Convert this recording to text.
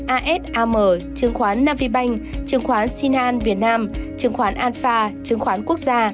asam chứng khoán navibank chứng khoán sinam việt nam chứng khoán alfa chứng khoán quốc gia